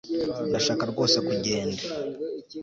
Ndashaka rwose kugenda